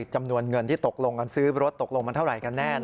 จำนวนเงินซื้อรถตกลงมาเท่าไหร่กันแน่